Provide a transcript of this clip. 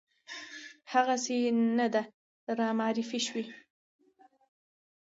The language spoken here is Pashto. هغسې نه ده رامعرفي شوې